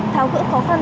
tháo gỡ khó khăn